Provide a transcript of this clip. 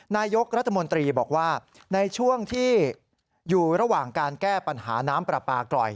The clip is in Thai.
นายกรัฐมนตรีบอกว่าในช่วงที่อยู่ระหว่างการแก้ปัญหาน้ำปลาปลากร่อย